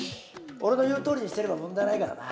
俺の言うとおりにしてれば問題ないからな。